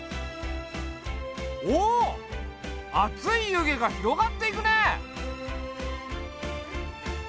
おっ熱い湯気が広がっていくね！